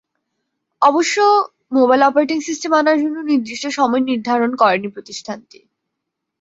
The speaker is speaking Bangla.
অবশ্য, মোবাইল অপারেটিং সিস্টেম আনার জন্য নির্দিষ্ট সময় নির্ধারণ করেনি প্রতিষ্ঠানটি।